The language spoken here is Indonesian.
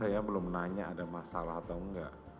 saya belum nanya ada masalah atau enggak